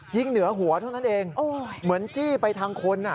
เหนือหัวเท่านั้นเองเหมือนจี้ไปทางคน